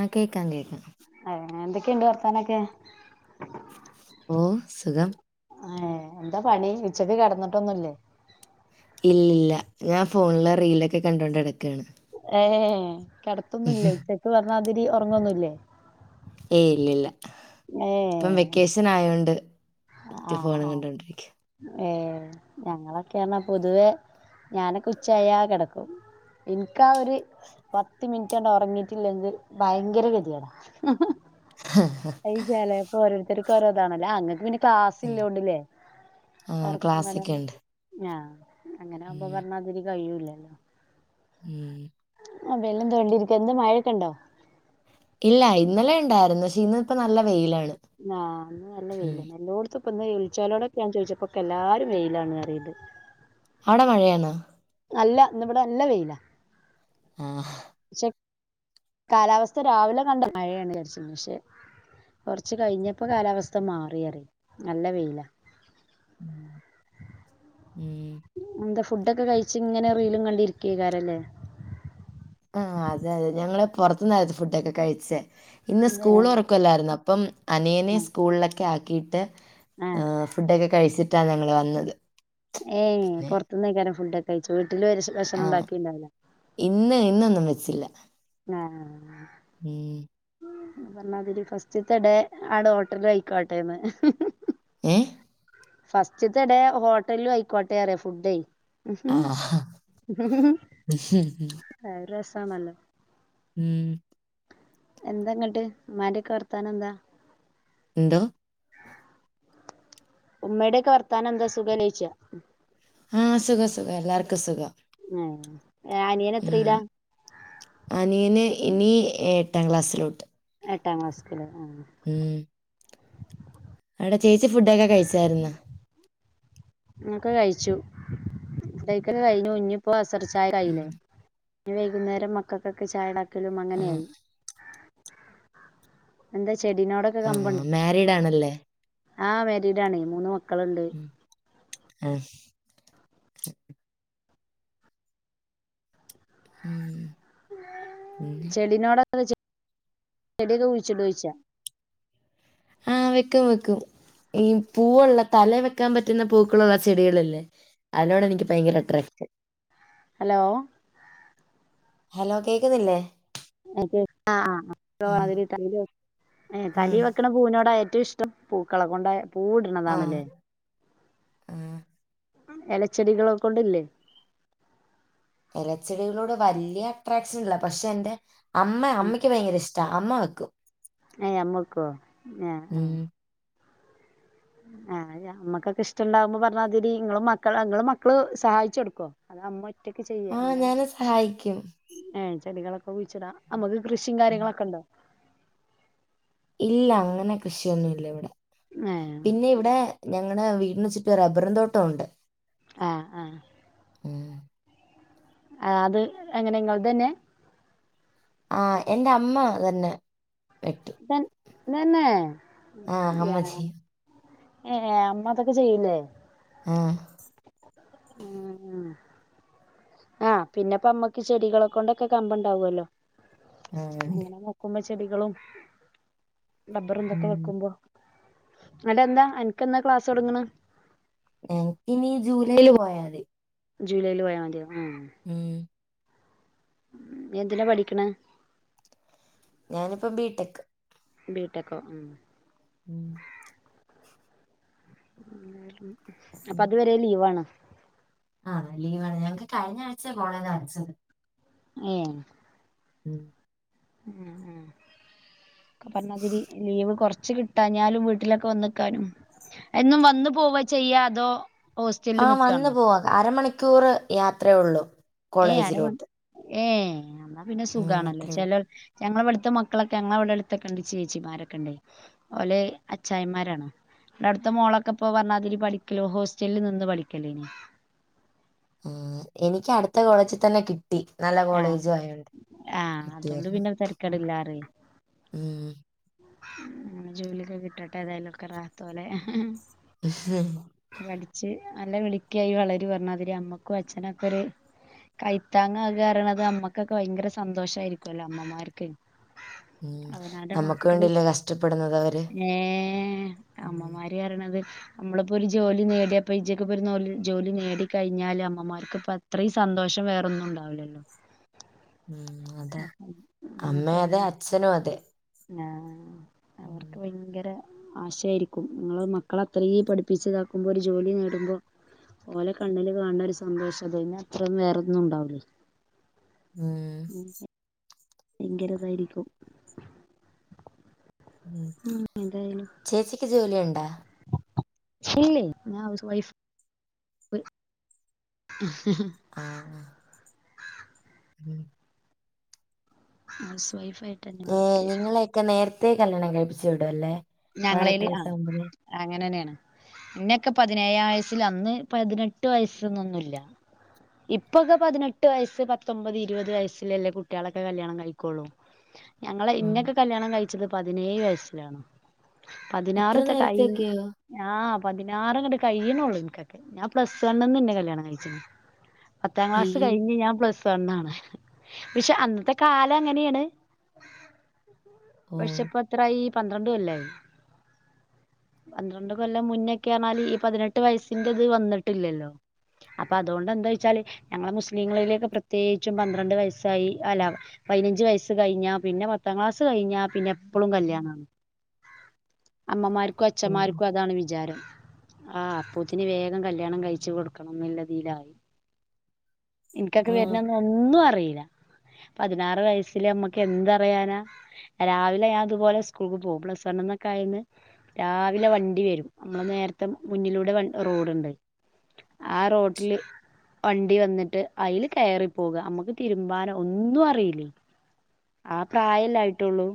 ആഹ് കേക്കാം കേക്കാം. അഹ്ഏഹ് എന്തൊക്കേണ്ട് വർത്താനൊക്കെ? ഓഹ് സുഖം. അഹ്ഏഹ്. എന്താ പണി ഉച്ചക്ക് കെടന്നിട്ടൊന്നുല്ലേ? ഇല്ലില്ല ഞാൻ ഫോണിലെ റീലൊക്കെ കണ്ടോണ്ട് കെടക്കാണ്. ഏഹ്. കെടത്തൊന്നില്ലേ ഉച്ചക്ക് പറഞ്ഞ മാതിരി ഉറങ്ങൊന്നുല്ലേ. ഏയ് ഇല്ലില്ല, ഇപ്പം ഏഹ് വെക്കേഷനായോണ്ട് ആഹ് ആഹ്. ഏഹ് ഞങ്ങളൊക്കെ പർഞ്ഞാ പൊതുവേ ഞാനൊക്ക ഉച്ചായാ കെടക്കും. ഇൻക്കാ ഒര് പത്ത് മിൻറ്റാണ്ട് ഒറങ്ങീട്ടില്ലെങ്ക് ഭയങ്കര ഗതിയേടാ. അഹ് ചെലേപ്പ ഓരോരുത്തർക്കും ഓരോ ഇതാണല്ലോ ആഹ് ഇങ്ങക്ക് പിന്നെ ക്ലാസ്സില്ലോണ്ട്ല്ലേ ആഹ് ക്ലാസ് ഒർക്ക്ങ്ങനെ ഒക്കെ ഉണ്ട് ഞാഹ് അങ്ങനാവുമ്പോ ഉം പറഞ്ഞാതിരി കഴിയൂല്ലല്ലോ. ഉം മൊബൈലിലും തോണ്ടിയിരിക്കാ. എന്താ മഴൊക്കെണ്ടോ? ഇല്ല ഇന്നലെ ഇണ്ടായിരുന്നു, പക്ഷേ ഇന്ന് പ്പം നല്ല വെയിലാണ്. ങാഹ് ഇന്ന് നല്ല ഉം വെയില്ലെന്നെ എല്ലോട്ത്തും. ഇപ്പൊന്ന് വിളിച്ചോലോടൊക്കെ ഞാൻ ചോയ്ച്ചപ്പൊക്കെ എല്ലാരും വെയിലാണ് പറയ്ണ്ട് അവടെ മഴയാണോ അല്ല ഇന്നിവടെ നല്ല വെയിലാ ആഹ് ക്ഷെ കാലാവസ്ഥ രാവിലെ കണ്ടാ മഴയാന്ന് വിചാരിച്ചീന്നു പക്ഷെ കൊർച്ച് കഴിഞ്ഞപ്പോ കാലാവസ്ഥ മാറി പറയും നല്ല വെയിലാ ഉം ഉം എന്താ ഫുഡൊക്കെ കഴിച്ചിങ്ങനെ റീലും കണ്ടിരിക്കേക്കാരം ല്ലേ ആഹ് അതെ അതെ ഞങ്ങള് പൊർത്ത്ന്നാ ത് ഫുഡൊക്കെ കഴിച്ചേ ഇന്ന് ഏ സ്കൂള് തൊറക്കുവല്ലാര്ന്നോ അപ്പം ആ അനിയനേം സ്കൂളിലൊക്കാക്കിട്ട് ആ ഏ ഫുഡൊക്കെ കഴിച്ചിട്ടാ ഞങ്ങള് വന്നത് ഏഹ് പിന്നെ പൊർത്ത്ന്നേക്കാരം ഫുഡ്ഡോക്കെ കയ്ച്ചെ വീട്ടില് ഭ ഭക്ഷണം ആഹ് ണ്ടാക്കിണ്ടാവൂല ഇന്ന് ഇന്നൊന്നും വെച്ചില്ല ആഹ് ഉം പർഞ്ഞാതിരി ഫസ്റ്റ്ത്തെഡേ ആടെ ഹോട്ടലയ്ക്കാട്ടെന്ന് ഏ ഫസ്റ്റ്ത്തെഡേ ഹോട്ടലും അയ്ക്കോട്ടെ പറയാ ഫുഡേ ആ അത് രെസാണല്ലോ ഉം എന്താന്ന്ട്ട് മ്മാന്റെക്കെ വർത്താനെന്താ എന്തോ ഉമ്മയുടെയൊക്കെ വർത്താനെന്താ സുഖല്ലേ യ്ച്ചാ ആഹ് സുഖം സുഖം എല്ലാർക്കും സുഖം ഏ എ അനിയൻ ഉം. എത്രയിലാ അനിയന് ഇനി എട്ടാം ക്ലാസ്സിലോട്ട് എട്ടാം ക്ലാസ്സ്‌ല്ക്ക് ലെ ആഹ് ആഹ് ഉം വടെ ചേച്ചി ഫുഡൊക്കെ കഴിച്ചാര്ന്ന് ഒക്കെ കഴിച്ചു ഫുഡയ്ക്കല് കയ്ഞ്ഞു ഇഞ്ഞ്പ്പൊ അസർ ചായായീലെ ഇനി വൈകുന്നേരം മക്കക്കൊക്കെ ചായണ്ടാക്കലും ആ അങ്ങനായി എന്താ ചെടിനോട് ആഹ് മാരീഡാണല്ലെ ആഹ് മാരീഡാണ് മൂന്ന് മക്കള്ണ്ട് അഹ് ഉം പിന്നെ ചെടിനോടൊക്കെ ചെ ചെടിയൊക്കെ കുയ്ച്ചിടോയ്ച്ച ആഹ് വെക്കും വെക്കും ഈ പൂവുള്ള തലേ വെക്കാൻ പറ്റുന്ന പൂക്കളുള്ള ചെടികളില്ലേ അതിനോടെനിക്ക് ഭയങ്കര അട്രാക്റ്റ് ഹലോ ഹലോ കേക്ക്ന്നില്ലേ അതെ അ അ മാതിരി തലേല് വെക്ക് ഏ തലേ ഉം. വെക്ക്ണ പൂവിനോടാ ഏറ്റുഷ് ടം പൂക്കളെ കൊണ്ട് ആ പൂവ്ട്ണതാണ്ലെ ആ എലച്ചെടികള് കൊണ്ട്ല്ലേ എലച്ചെടികളോട് വല്ല്യട്രാക്ഷൻ ഇല്ല പക്ഷെന്റെ അമ്മ അമ്മയ്ക്ക് ഭയ്ങ്കരഷ് ജാമാക്കും ഏ അമ്മക്കോ ഏ ആഹ് ഉം. ആഹ് അത് ഞമ്മക്കൊക്കെ ഇഷ്ടണ്ടാകുമ്പൊ പർഞ്ഞാ മതി ടീ ഇങ്ങളും മക്കള് ഇങ്ങളും മക്കള് സഹായിച്ചൊട്ക്കോ അതൊ അമ്മ ആഹ് ഞാനും സഹായിക്കും ഏഹ് ചെടികളൊക്കെ കുയ്ച്ചിടാ അമ്മക്ക് കൃഷിം ഉം. കാര്യങ്ങളൊക്കൊണ്ടോ? ഇല്ല അങ്ങനെ കൃഷിയൊന്നുല്ലവിടെ ഏ പിന്നിവിടെ ഞങ്ങടെ വീടിന് ചുറ്റും റബ്ബറും തോട്ടൊണ്ട് ആഹ് ആഹ് ആ ആ അത് എങ്ങനെ ഇങ്ങൾതന്നെ ആ എന്റമ്മ തന്നെ വെട്ട് തൻ തന്നെ അമ്മ യാ ചെയ്യും ഏഹ് അമ്മതൊക്കെ ചെയ്യും ലേ ആഹ് ആഹ് ആ പിന്നെപ്പമ്മക്ക് ചെടികളെ കൊണ്ടൊക്കെ കമ്പണ്ടാവോല്ലോ ആ ഉണ്ട് അങ്ങനെ നോക്കുമ്പൊ ചെടികളും ടബ്ബറും തൊക്കെ ഉം. വെക്കുമ്പൊ അവടെന്നാ അൻക്കെന്നാ ക്ലാസൊട്ങ്ങ്ണ് എൻകിനി ജൂലൈല് പോയാ മതി ജൂലൈല് പോയാ മതിയോ ആഹ് ഉം എന്തിനാ പഠിക്ക്ണ്? ഞാനിപ്പം ബി ടെക് ബി ടെക്കൊ ഉം ഉം അപ്പത് വരെ ലീവാണ് ആഹ് ലീവാണ് ഞങ്ങക്ക് കഴിഞ്ഞാഴ്ച കോളേജിൽ ആട്സ് ഉണ്ട് ഏഹ് ഉം ഉം ഉം അപ്പർഞ്ഞാതിരി ലീവ് കൊർച്ച് കി ട്ടാഞ്ഞാലും വീട്ടിലൊക്കെ വന്ന്ക്കാനും എന്നും വന്ന് പോവാ ചെയ്യാ അതോ ഹോസ്റ്റലിൽ ആ നിക്കാണോ വന്ന് പോവാ അരമണിക്കൂറ് യാത്രയൊള്ളു ഏ അരമ ഏഹ് അന്നാ പിന്നെ ഉം സുഖാണല്ലോ അത്രേ ഉള്ളൂ ചെലോ ഞങ്ങളവട്ത്തെ മക്കളൊക്കെ ഞങ്ങളവ്ടെടുത്തൊക്കെണ്ട് ചേച്ചിമാരൊക്കെണ്ടയ് ഓല് അച്ചായമ്മാരാണ് അവ്ടുത്ത മോളൊക്കെ പ്പോ പറഞ്ഞാതിരി പഠിക്കലോ ഹോസ്റ്റലിൽ നിന്ന് പഠിക്കലയ്ന് ഉം എനിക്ക് അടുത്ത കോളേജിൽ തന്നെ കി, ട്ടി ആഹ് നല്ലകോളേജും ആയോണ്ട് ആഹ് അതുകൊണ്ട് കിട്ടിയെര്ന്ന് പിന്നെ തരക്കേടില്ലാറയ് ഉം ഉം ജോലിയൊക്കെ കിട്ടട്ടെ ഏതായാലും ഒക്കെ റാഹത്ത്പോലെ പഠിച്ച് നല്ല മിടുക്കിയായി വളരു പറഞ്ഞാതിരി അമ്മക്കും അച്ഛനൊക്കൊര് കൈത്താങ്ങാകാ പറേണത് അമ്മക്കൊക്കെ ഭയങ്കര സന്തോഷായിരിക്കുവല്ലോ അമ്മമാർക്ക് ഉം അവനാന്റെ നമ്മുക്ക് മക്കള് വേണ്ടിയല്ലേ കഷ്ടപ്പെടുന്നത് അവര് ഏഹ് ഉം. അമ്മമാര് പറയ്ണത് നമ്മളിപ്പോ ഒരു ജോലി നേടിയപ്പൊ ഇജ്ജക്കെപോ ജോലി നേടി കഴിഞ്ഞാല് അമ്മമാർക്ക്പ്പൊ അത്രീം സന്തോഷം വേറൊന്നും ഉണ്ടാവൂല്ലല്ലോ ഉം അതാ അമ്മ അങ്ങനൊക്കെ അതെ അച്ഛനും അതെ ആഹ് ഉം അവർക്ക് ഭയങ്കര ആശയായിരിക്കും ഇങ്ങള് മക്കളെ അത്രീം പഠിപ്പിച്ചതാക്കുമ്പോ ഒരു ജോലി നേടുമ്പോ ഓലെ കണ്ണില് കാണ്ണ ഒരു സന്തോഷം അതിന്നെ അത്രും വേറൊന്നും ഉണ്ടാവില്ലേ ഉം ഭയങ്കരതായിരിക്കും ഉം ചേച്ചിക്ക് ജോലിയുണ്ടാ ഇല്ലല്ല ഞാൻ ഹൗസ് വൈഫ് [unintelligible] ആഹ് ഹൗസ് വൈഫായിരുന്നു ഏഹ് നിങ്ങളൊക്കെ നേരത്തെ കല്യാണം കഴിപ്പിച്ചു വിടല്ലേ ഞങ്ങളേല് ആഹ് അങ്ങനെന്നെയാണ് ന്നെക്കെ പതിനേഴാം വയസ്സില് അന്ന് പതിനെട്ട് വയസ്സന്നൊന്നുല്ല ഇപ്പൊക്കെ പതിനെട്ട് വയസ്സ് പത്തൊമ്പത് ഇരുപത് വയസ്സില്ലല്ലേ കുട്ടികളൊക്കെ കല്യാണം കഴിക്കുള്ളൂ ഞങ്ങളെ ഉം. ഇന്നൊക്കെ കല്യാണം കഴിച്ചത് പതിനേഴ് വയസ്സിലാണ് അത്ര പതിനാറ്തെ കൈ നേരത്തേക്കെയോ ആഹ് പതിനാറ് ഇങ്ങട്ട് കയ്യ്ണോള്ളു ഇൻക്കൊക്കെ ഞാൻ പ്ലസ് വണ്ന്ന് ന്നെ കല്യാണം കഴിച്ക്ണ് പത്താം ക്ലാസ് അയ്യോ കഴിഞ്ഞ് ഞാൻ പ്ലസ് വണ്ണാണ് പക്ഷെ അന്നത്തെ കാലം അങ്ങനെണ് ഓ പക്ഷെപ്പോ എത്രായി പന്ത്രണ്ട്കൊല്ലായി പന്ത്രണ്ട് കൊല്ലം മുന്നെക്കെയർണാൽ ഈ പതിനെട്ട് വയസ്സിന്റെത് വന്നിട്ടില്ലല്ലോ അപ്പൊ അതോണ്ട് എന്താച്ചാല് ഞങ്ങളെ മുസ്ലിങ്ങളിലേക്കെ പ്രത്യേകിച്ചും പന്ത്രണ്ട് വയസ്സായി അല പതിനഞ്ച് വയസ്സ് കഴിഞ്ഞാ പിന്നെ പത്താം ക്ലാസ് കഴിഞ്ഞ പിന്നെ എപ്പളും കല്യാണാണ് അമ്മമാർക്കും ഓ അച്ഛമാർക്കും അതാണ് വിചാരം ആഹ് അപ്പൂത്തിന് വേഗം കല്യാണം കഴിച്ചു കൊടുക്കണംന്നുള്ളതീലായി ആ ഇന്ക്കൊക്കെ വര്ണന്ന് ഒന്നും അറീല്ല പതിനാറ് വയസ്സില് നമ്മക്ക് എന്തറിയാനാ രാവിലെ ഞാൻ അതുപോലെ സ്കൂൾക്ക് പോകും പ്ലസ് വണ്ന്നൊക്കെ ആയിന്ന് രാവിലെ വണ്ടിവെരും നമ്മൾ നേരത്തെ മുന്നിലൂടെ വ റോഡുണ്ട് ആ റോട്ടില് വണ്ടി വന്നിട്ട് അയിൽ കയറിപ്പോക അമ്മക്ക് തിരുമ്പാനോ ഒന്നും അറീലെ ആ പ്രായല്ലേ ആയിട്ടുള്ളൂ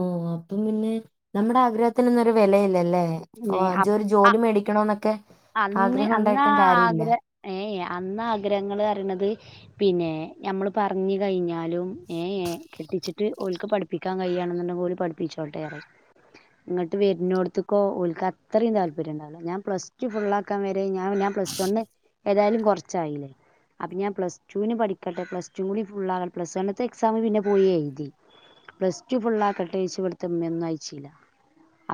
ഓഹ് അപ്പം പിന്നെ നമ്മുടെ ആഗ്രഹത്തിനൊന്നും ഒരു വിലയില്ലല്ലേ ഓഹ് ഇജ്ജ് ഒരു അ ജോലി മേടിക്കണം എന്നൊക്കെ ആഗ്രഹം ഉണ്ടായിട്ടും കാര്യല്ല ഏയ് അന്ന് ആഗ്രഹങ്ങള് പറയ്ണത് പിന്നെ ഞമ്മള് പറഞ്ഞ് കഴിഞ്ഞാലും ഏഹ് ഏഹ് കെട്ടിച്ചിട്ട് ഓല്ക്ക് പഠി പടിപ്പിക്കാൻ കഴിണെന്നുണ്ടെങ്കി ഓല് പഠിപ്പിച്ചോട്ടെ ഇങ്ങട്ട് വര്ന്നോട്ത്ത് ഇക്കൊ ഓല്ക്ക് അത്രയും താല്പര്യണ്ടാവുല്ല ഞാൻ പ്ലസ് ടു ഫുള്ളാക്കാൻ വരെ ഞാൻ ഞാൻ പ്ലസ് വണ്ണ് ഏതായാലും കുറച്ചായില്ലേ അത്ഞാൻ പ്ലസ് ടുന് പഠിക്കട്ടെ പ്ലസ ടു കൂടി ഫുകള്ളാ പ്ലസ് വണ്ണ്ത്തെ എസാം പിന്നെ പോയി എഴുതി പ്ലസ് ടു ഫുള്ളക്കട്ടെ ചോയിച്ച് ഇവിട്ത്തെ ഉമ്മന്നും അയച്ചില്ല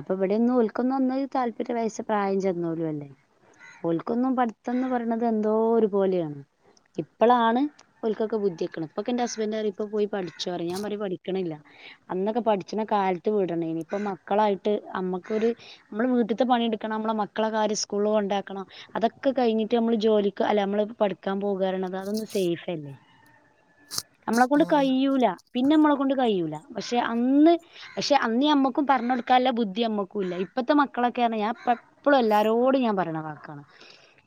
അപ്പൊ ഇവിടൊന്നും ഓല് ക്കൊന്നും ഒന്നത് താല്പര്യ വയസ്സ് പ്രായം ചെന്നോലും അല്ലേ ഓൽക്കൊന്നും പഠിത്തംന്ന് പറയ്ണത് എന്തോ ഒര് പോലെയാണ് ഇപ്പളാണ് ഓല്ക്കൊക്കെ ബുദ്ധി വക്ക്ണത് ഇപ്പൊക്കെ ഇന്റെ ഹസ്ബൻഡ് പറയും ഇപ്പൂ പോയി പഠിച്ചോ പറിം ഞാൻ പറിം പഠിക്ക്ണില്ല അന്നൊക്കെ പഠിച്ച്ണ കാലത്ത് വിടണേനി ഇപ്പം മക്കളായിട്ട് അമ്മക്കൊര് നമ്മള് വീട്ടിത്തെ പണിയെടുക്കണം നമ്മളെ മക്കളെ കാര്യം സ്കൂള് കൊണ്ടാക്കണം അതൊക്കെ കഴിഞ്ഞിട്ട് നമ്മള് ജോലിക്ക് അല്ല നമ്മള് പഠിക്കാൻ പോക പറിണത് അതൊന്നും സേഫല്ല നമ്മളെ ആ കൊണ്ട് കഴിയൂല പിന്നെ നമ്മളെ കൊണ്ട് കഴൂല പക്ഷെ അന്ന് പക്ഷെ അന്ന് നമ്മക്കും പറഞ്ഞ് കൊടുക്കാല്ല ബുദ്ധി നമ്മക്കും ഇല്ല ഇപ്പത്തെ മക്കളൊക്കെ പറഞ്ഞ ഞാൻ ഇപ്പളും എല്ലാരോടും ഞാൻ പറയ്ണ വക്കാണ്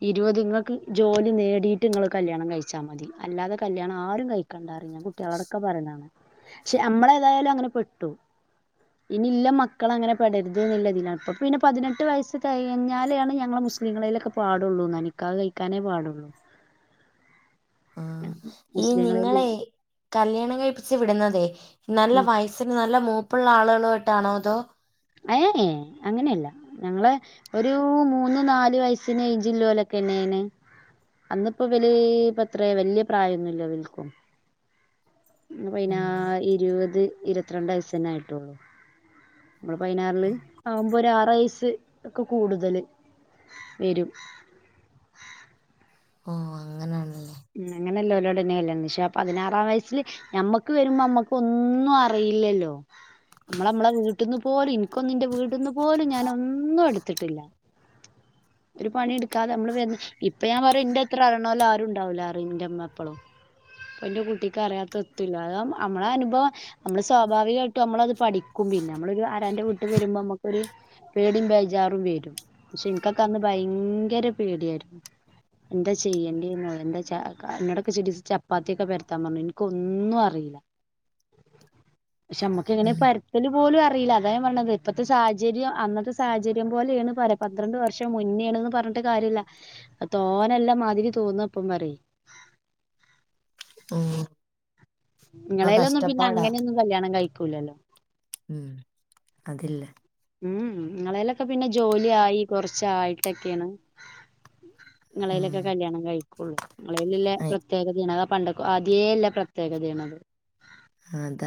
ഇരുപത് ഇങ്ങക്ക് ജോലി നേടിയിട്ട് നിങ്ങൾ കല്യാണം കഴിച്ചാൽ മതി അല്ലാതെ കല്യാണം ആരും കഴി ക്കണ്ട പറിം ഞാൻ കുട്ടികളൊടൊക്കെ പറയുന്നതാണ് പക്ഷെ നമ്മള് ഏതായാലും അങ്ങനെ പെട്ടു ഇനില്ല മക്കള് അങ്ങനെ പെടരുത് എന്നുള്ള ഇതിലാ അപ്പൊ പിന്നെ പതിനെട്ട് വയസ്സ് കഴിഞ്ഞാലേ ആണ് ഞങ്ങൾ മുസ്ലീങ്ങളിലൊക്കെ പാടുള്ളൂന്നാ നിക്കാഹ് കഴിക്കാനേ പാടുള്ളൂ ആ ഈ മുസ്ലിങ്ങളേല് നിങ്ങളെ യ് കല്യാണം കഴിപ്പിച്ച് വിടുന്നതെ നല്ല ഉം വയസ്സിന് നല്ല മൂപ്പുള്ള ആളുകളോടാണോ അതോ ഏ ഏ അങ്ങനെയല്ല ഞങ്ങളെ ഒരു മൂന്ന് നാല് വയസിന് ഏജ്ല്ലൊലൊക്കെണ് ണ് അന്ന്പ്പോ ഇവല് ഇപ്പത്ര വല്യ പ്രായൊന്നുല്ല ഇവൽക്കും പിനാ ഉം. ഇരുപത് ഇരത്തിരണ്ട് വയസ്സ് തന്നെ ആയിട്ടുള്ളു നമ്മള് പയനാറില് ആകുമ്പോ ഒരു ആറ് വയസ് ഒക്കെ കൂടുതല് വരും ഓ അങ്ങനെ ഉം അങ്ങനല്ലോലോട് തന്നെ കല്യാണം പക്ഷേ ആ പതിനാറാം വയസ്സില് ഞമ്മക്ക് വരുമ്പോ നമ്മക്ക് ഒന്നും അറിയില്ലല്ലോ നമ്മള് നമ്മളെ വീട്ടീന്ന് പോലും എനിക്കൊന്നും ആന്റെ വീട്ടിന്ന് പോലും ഞാനൊന്നും എടുത്തിട്ടില്ല ഒരു പണിയെടുക്കാതെ നമ്മൾ ഇപ്പൊ ഞാൻ പറയും ഇന്റെ എത്ര അറിണോല്ല് ആരു ണ്ടാവുല പറിം ഇന്റെമ്മ എപ്പളും ഇപ്പ ഇന്റെ കുട്ടിക്ക് അറിയാത്ത എത്തുല്ല അത് നമ്മളെ അനുഭവം നമ്മള് സ്വാഭാവികായിട്ടും നമ്മളത് പഠി ക്കും പിന്നെ നമ്മളൊരു ആരാന്റെ വീട്ട് വരുമ്പം നമുക്കൊരു പേടിം ബേജാറും വരും പക്ഷെ ഇൻക്കൊക്കെ അന്ന് ഭയങ്കര പേടിയായിരുന്നു എന്താ ചെയ്യേണ്ടി ഒന്നും അറി എന്താ വെച്ചാക്ക എന്നോടൊക്കെ ചിരി ചപ്പാത്തിയൊക്കെ പരത്താൻ പറഞ്ഞു എനിക്കൊന്നും അറിയില്ല പക്ഷെ നമ്മക്കെങ്ങനെ ഉം. പര ത്തല് പോലും അറിയില്ല അതാ ഞാൻ പറിണത് ഇപ്പത്തെ സാഹചര്യം അന്നത്തെ സാഹചര്യം പോലെയാണ് പര പന്ത്രണ്ട് വർഷം മുന്നേണ്ന്ന് പറഞ്ഞിട്ട് കാര്യമില്ല തോനെല്ലാം മാതിരി തോന്നപ്പം പറിം ഉം ഇപ്പൊ ഇങ്ങളേലൊന്നും പിന്നെ കഷ്ടപ്പാടാ അങ്ങനെയൊന്നും കല്യാണം കഴിക്കൂലല്ലോ ഉം അതില്ല ഇങ്ങളേലൊക്കെ പിന്നെ ജോലി ആയി കൊറച്ചായിട്ടൊക്കെയാണ് ഉം. നിങ്ങളയിലൊക്കെ കല്യാണം കഴിക്കുള്ളൂ ങ്ങളയിലിള്ളെ അയ് പ്രത്യേകതേണ് പണ്ടക്കെ ആദ്യേള്ള പ്രത്യേകതേണത് അതാ